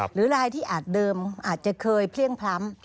หรือลายที่อาจเดิมอาจจะเคยเพลี่ยงพล้ำ